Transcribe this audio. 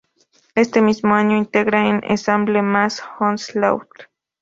Este mismo año integra un ensamble más, Onslaught.